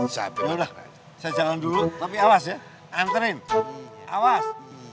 saya jangan dulu tapi awas ya anterin awas